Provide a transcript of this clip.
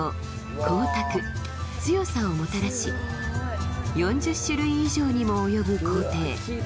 光沢強さをもたらし４０種類以上にも及ぶ工程